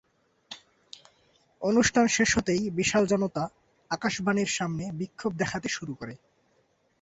অনুষ্ঠান শেষ হতেই বিশাল জনতা আকাশবাণীর সামনে বিক্ষোভ দেখাতে শুরু করে।